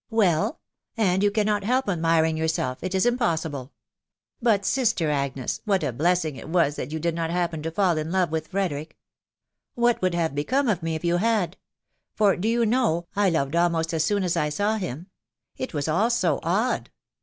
" Well !.•.• and you cannot help admiring yourself, it is impossible. .•• But, sister Agnes, what a blessing it was that you did not happen to fall in love with Frederick! What would have become of me if you had ?..,.. for, do yon know, I loved almost as soon as I saw him. It was all so odd.